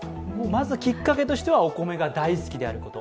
まずきっかけとしてはお米が大好きであること。